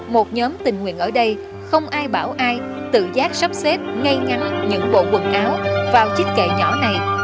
một nhóm tình nguyện ở đây không ai bảo ai tự giác sắp xếp ngay ngắn những bộ quần áo vào chiếc kệ nhỏ này